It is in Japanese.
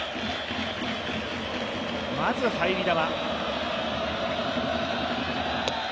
まず入り球。